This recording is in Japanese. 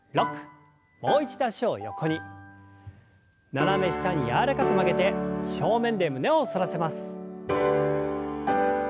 斜め下に柔らかく曲げて正面で胸を反らせます。